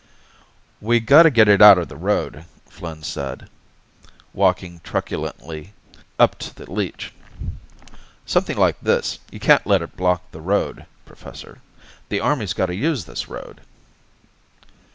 "We gotta get it out of the road," Flynn said, walking truculently up to the leech. "Something like this, you can't let it block the road, Professor. The Army's gotta use this road."